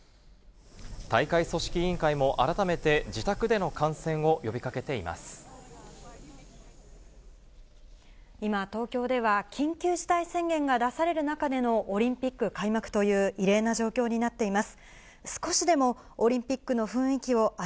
大会組織委員会も改めて自宅今、東京では緊急事態宣言が出される中でのオリンピック開幕という、異例な状況になっています。